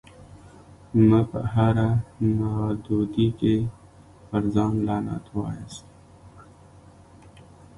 مه په هره نادودي کي پر ځان لعنت واياست